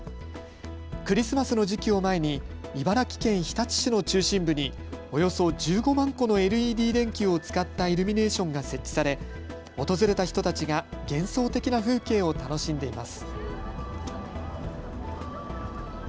クリスマスの時期を前に茨城県日立市の中心部におよそ１５万個のＬＥＤ電球を使ったイルミネーションが設置され訪れた人たちが幻想的な風景を楽しんでいます。